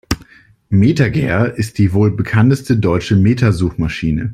MetaGer ist die wohl bekannteste deutsche Meta-Suchmaschine.